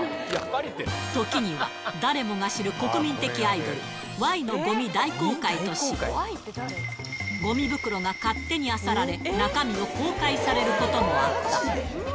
時には誰もが知る国民的アイドル、Ｙのごみ大公開とし、ごみ袋が勝手にあさられ、中身を公開されることもあった。